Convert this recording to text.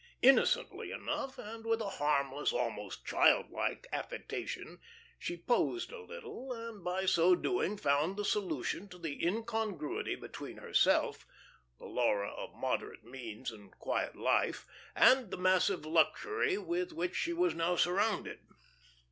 Innocently enough, and with a harmless, almost childlike, affectation, she posed a little, and by so doing found the solution of the incongruity between herself the Laura of moderate means and quiet life and the massive luxury with which she was now surrounded.